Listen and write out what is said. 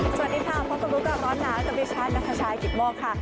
สวัสดีค่ะพบกับร้อนหนาวกับพี่ชันนักภาชายกิตโมกค่ะ